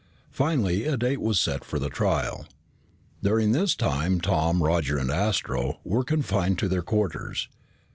Finally a date was set for the trial. During this time, Tom, Roger, and Astro were confined to their quarters.